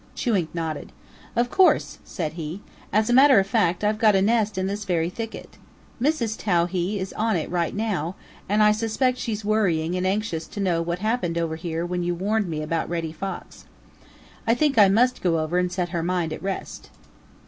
Chewink nodded. "Of course," said he. "As a matter of fact, I've got a nest in this very thicket. Mrs. Towhee is on it right now, and I suspect she's worrying and anxious to know what happened over here when you warned me about Reddy Fox. I think I must go over and set her mind at rest."